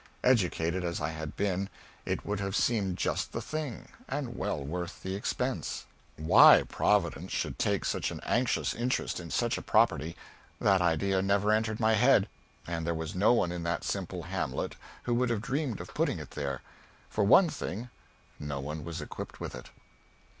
Educated as I had been, it would have seemed just the thing, and well worth the expense. Why Providence should take such an anxious interest in such a property that idea never entered my head, and there was no one in that simple hamlet who would have dreamed of putting it there. For one thing, no one was equipped with it.